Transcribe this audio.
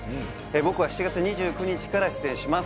僕は７月２９日から出演します